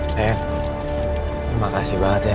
terima kasih banget ya